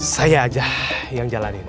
saya aja yang jalanin